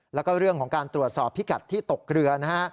แล้วก็เรื่องของการตรวจสอบพิกัดที่ตกเรือนะฮะ